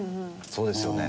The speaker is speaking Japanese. そうですよね。